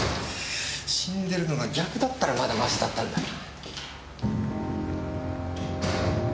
死んでるのが逆だったらまだマシだったんだが。